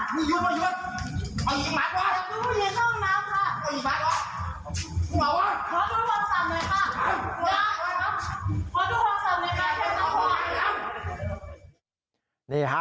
เขาอยู่ห้องศัพท์หน่อยค่ะ